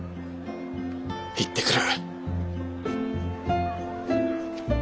行ってくる。